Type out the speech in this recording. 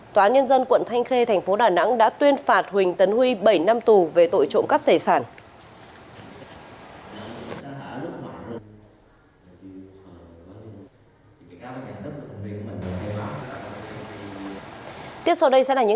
tòa nhân dân quận thanh khê thành phố đà nẵng đã tuyên phạt huỳnh tấn huy bảy năm tù về tội trộm cắp tài sản